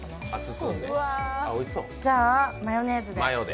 じゃあマヨネーズで。